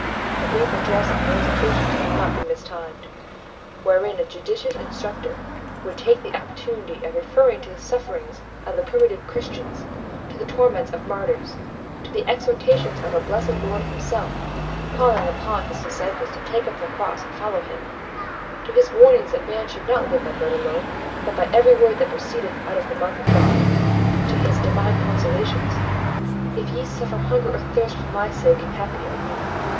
A brief address on those occasions would not be mistimed, wherein a judicious instructor would take the opportunity of referring to the sufferings of the primitive Christians; to the torments of martyrs; to the exhortations of our blessed Lord Himself, calling upon His disciples to take up their cross and follow Him; to His warnings that man shall not live by bread alone, but by every word that proceedeth out of the mouth of God; to His divine consolations, 'If ye suffer hunger or thirst for My sake, happy are ye.